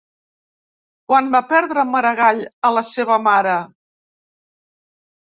Quan va perdre Maragall a la seva mare?